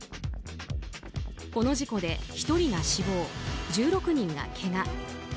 この事故で１人が死亡１６人がけが。